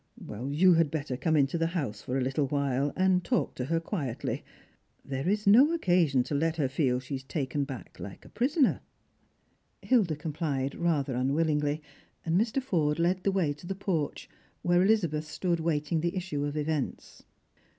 " You had better come into the house for a little while and talk to her quietly. There ia no occasion to let her feel she is taken back like a prisoner." Hilda complied rather unwillingly, and Mr. Forde led the way to the porch, where Elizabeth stood waiting the issue of events. S4!4 Strangers and Pilgrimg.